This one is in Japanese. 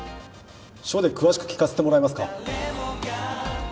署で詳しく聞かせてもらえますか？